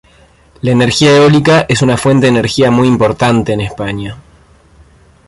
La energía eólica es una fuente de energía muy importante en España.